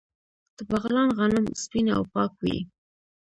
د بغلان غنم سپین او پاک وي.